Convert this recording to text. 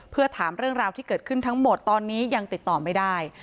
เพื่อถามเรื่องราวที่เกิดขึ้นทั้งหมดตอนนี้ยังติดต่อไม่ได้